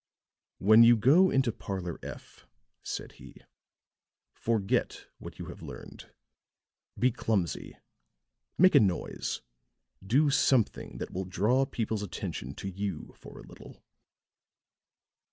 "When you go into Parlor F," said he, "forget what you have learned. Be clumsy. Make a noise. Do something that will draw people's attention to you for a little."